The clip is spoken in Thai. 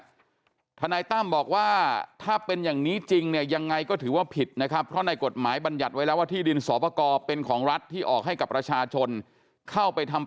ส่วนคนที่ขายที่ให้แม้ที่ดินจะถูกยึดไปที่ก็ไม่ได้กลับมาเป็นของคนขายแนวเจ้าของเดิมนะครับเพราะถือว่าคุณเนี่ยเอาไปทำในทางที่ผิดแล้ว